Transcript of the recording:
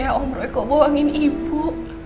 kenapa ya om roy kok buangin ibu